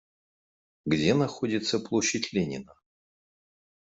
Где находится площадь Ленина?